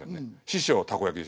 師匠たこ焼き。